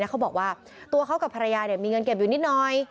เขาบอกว่าตัวเขากับภรรยามีเงินเก็บอยู่นิดหน่อย